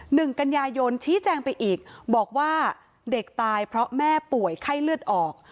หนึ่งกันยายนชี้แจงไปอีกบอกว่าเด็กตายเพราะแม่ป่วยไข้เลือดออก